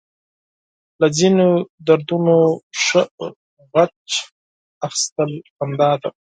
له ځينو دردونو ښه غچ اخيستل خندا ده.